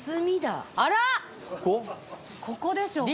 ここでしょ？